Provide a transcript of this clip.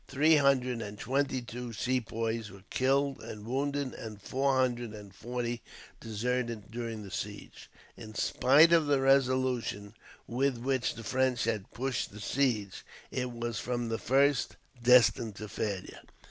Three hundred and twenty two Sepoys were killed and wounded, and four hundred and forty deserted during the siege. In spite of the resolution with which the French had pushed the siege, it was, from the first, destined to failure.